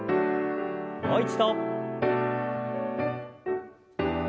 もう一度。